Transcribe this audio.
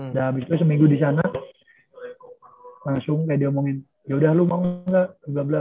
nah abis itu seminggu disana langsung kayak dia omongin yaudah lu mau gak